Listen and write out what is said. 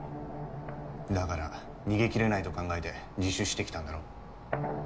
だから逃げきれないと考えて自首してきたんだろ？